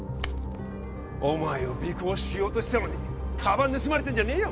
お前を尾行しようとしてたのにカバン盗まれてんじゃねえよ